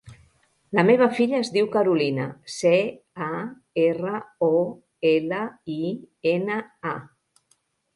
La meva filla es diu Carolina: ce, a, erra, o, ela, i, ena, a.